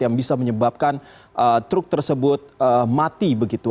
yang bisa menyebabkan truk tersebut mati begitu